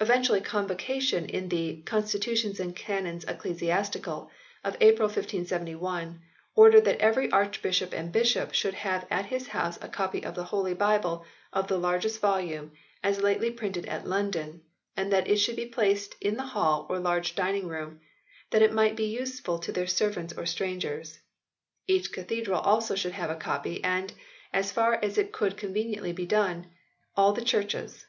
Eventually Convocation in the " Constitutions and Canons Ecclesiastical," of April 1571, ordered that every archbishop and bishop should have at his house a copy of the Holy Bible of the largest volume, as lately printed at London ; and that it should be placed in the hall or large dining room, that it might be useful to their servants or strangers. Each cathedral also should have a copy, and " as far as it could be conveniently done," all the churches.